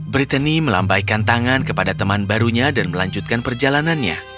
brittany melambaikan tangan kepada teman barunya dan melanjutkan perjalanannya